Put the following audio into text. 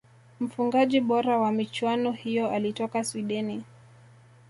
mfungaji bora wa michuano hiyo alitoka swideni